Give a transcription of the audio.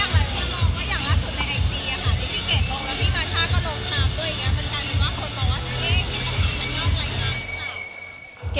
มันจำเป็นว่าคนบอกว่าพี่เกดคิดปัญหามันยอดอะไรค่ะ